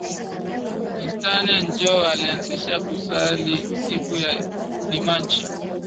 Constatin njo alianzisha ku Sali siku ya dimanche